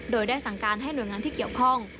โดยได้สั่งการให้หน่วยงานที่เกี่ยวข้อง